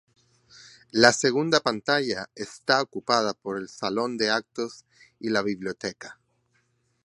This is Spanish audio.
La segunda planta está ocupada por el salón de actos y la biblioteca.